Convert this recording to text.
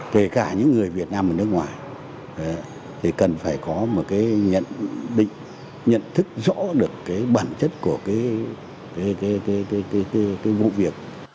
kể cả những người việt nam và nước ngoài thì cần phải có một nhận thức rõ được bản chất của vụ việc